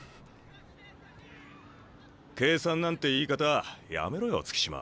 計算なんて言い方やめろよ月島。